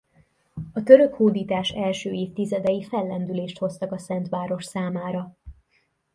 A török hódítás első évtizedei fellendülést hoztak a szent város számára.